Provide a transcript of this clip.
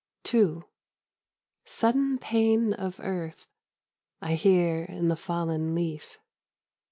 II Sudden pain of earth I hear in the fallen leaf.